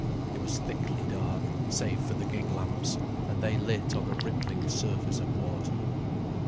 It was thickly dark, save for the gig lamps, and they lit on a rippling surface of water.